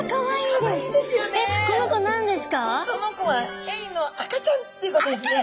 その子はエイの赤ちゃんっていうことですね。